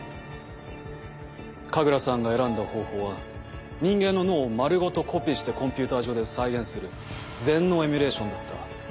神楽さんが選んだ方法は人間の脳を丸ごとコピーしてコンピューター上で再現する全脳エミュレーションだった。